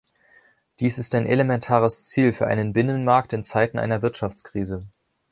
Dies ist ein elementares Ziel für einen Binnenmarkt in Zeiten einer Wirtschaftskrise.